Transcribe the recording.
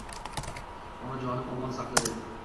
Onajonim omon saqla deb